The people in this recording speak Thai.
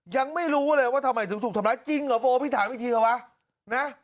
ยังไม่รู้เลยว่าทำไมถึงถูกทำร้ายจริงเหรอโฟพี่ถามอีกทีเหรอวะนะ